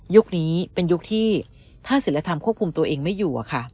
นี้เป็นยุคที่ถ้าศิลธรรมควบคุมตัวเองไม่อยู่อะค่ะ